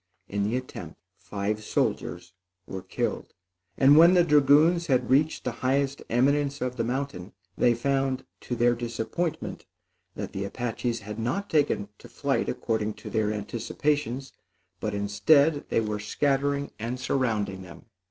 In the attempt, five soldiers were killed; and when the dragoons had reached the highest eminence of the mountain, they found, to their disappointment, that the Apaches had not taken to flight according to their anticipations, but instead, they were scattering and surrounding them.